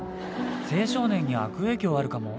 青少年に悪影響あるかも。